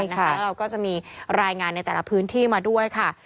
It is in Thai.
แล้วเราก็จะมีรายงานในแต่ละพื้นที่มาด้วยค่ะ